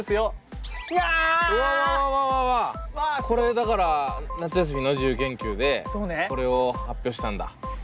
これだから夏休みの自由研究でこれを発表したんだ。